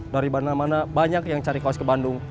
dari mana mana banyak yang cari kaos ke bandung